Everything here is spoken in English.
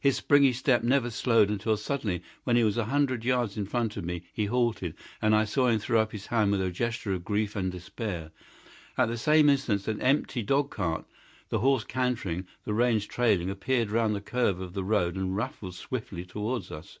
His springy step never slowed until suddenly, when he was a hundred yards in front of me, he halted, and I saw him throw up his hand with a gesture of grief and despair. At the same instant an empty dog cart, the horse cantering, the reins trailing, appeared round the curve of the road and rattled swiftly towards us.